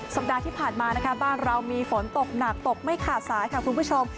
สัปดาห์ที่ผ่านมานะคะบ้านเรามีฝนตกหนักตกไม่ขาดสายค่ะคุณผู้ชม